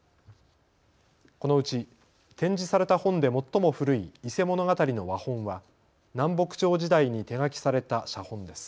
このうち展示された本で最も古い伊勢物語の和本は南北朝時代に手書きされた写本です。